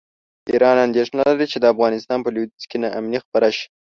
ایران اندېښنه لري چې د افغانستان په لویدیځ کې ناامني خپره شي.